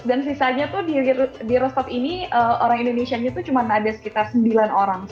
dan sisanya tuh di rostov ini orang indonesianya itu cuma ada sekitar sembilan orang